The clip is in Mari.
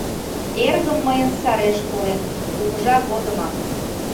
Эргым мыйын сареш колен, кугыжа годымак...